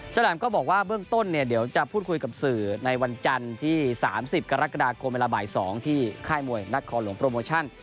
แหลมก็บอกว่าเบื้องต้นเนี่ยเดี๋ยวจะพูดคุยกับสื่อในวันจันทร์ที่๓๐กรกฎาคมเวลาบ่าย๒ที่ค่ายมวยนักคอหลวงโปรโมชั่น